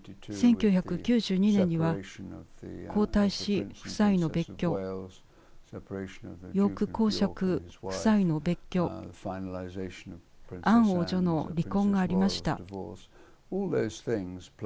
１９９２年には皇太子夫妻の別居ヨーク公爵夫妻の別居アン王女の離婚がありました。